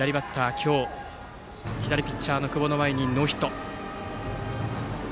今日、左ピッチャーの久保の前にノーヒット。